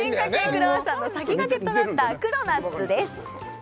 クロワッサンの先駆けとなったクロナッツです